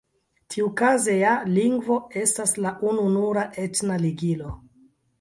Tiukaze ja lingvo estas la ununura etna ligilo.